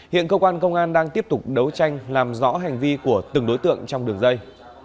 hiện cơ quan công an đang tiếp tục đấu tranh làm rõ hành vi của từng đối tượng trong đường dây